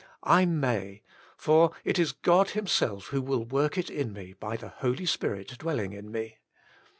I may; for it is God Himself will work it in me by the Holy Spirit dwelling in me.